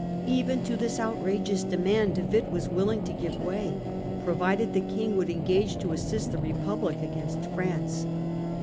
Even to this outrageous demand De Witt was willing to give way, provided the King would engage to assist the Republic against France.